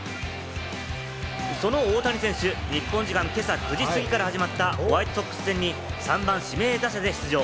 その大谷選手、日本時間けさ９時過ぎから始まったホワイトソックス戦に３番・指名打者で出場。